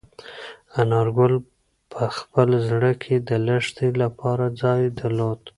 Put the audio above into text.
انارګل په خپل زړه کې د لښتې لپاره ځای درلود.